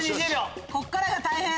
こっからが大変。